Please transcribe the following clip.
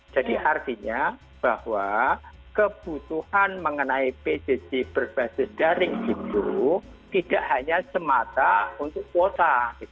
jadi artinya bahwa kebutuhan mengenai psg berbasis jaring itu tidak hanya semata untuk kuota